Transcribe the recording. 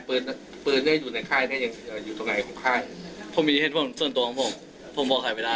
ปืนปืนที่อยู่ในค่ายแค่อยู่ตรงไหนของค่ายผมมีเหตุผลส่วนตัวของผมผมบอกใครไม่ได้